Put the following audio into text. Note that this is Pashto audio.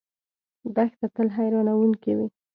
دښته تل حیرانونکې وي.